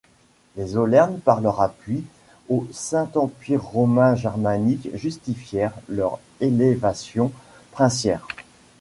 Les Zollern par leur appui au Saint-Empire romain germanique justifièrent leur élévation princière.